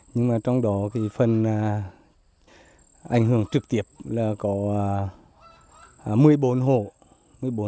nhưng mà trong đó cái phần ảnh hưởng trực tiếp là có một mươi bốn hộ